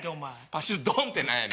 パシュドンって何やねん。